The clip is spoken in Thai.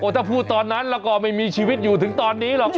ถ้าพูดตอนนั้นแล้วก็ไม่มีชีวิตอยู่ถึงตอนนี้หรอก